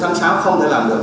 tháng sáu không thể làm được